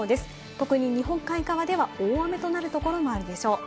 特に日本海側では大雨となるところもあるでしょう。